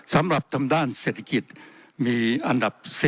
สำหรับทางด้านเศรษฐกิจมีอันดับ๔